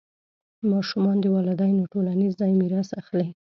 ماشومان د والدینو ټولنیز ځای میراث اخلي.